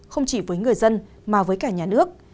không chỉ với người dân mà với cả nhà nước